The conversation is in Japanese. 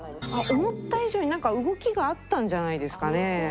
思った以上になんか動きがあったんじゃないですかね。